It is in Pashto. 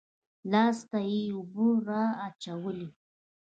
لاس ته يې اوبه رااچولې.